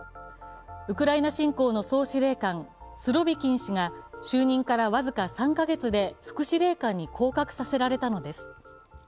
ウクライナ侵攻の総司令官スロビキン氏が就任から僅か３か月で副司令官に降格させられたのです。